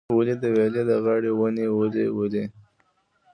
ولي، د ویالې د غاړې ونې ولې ولي؟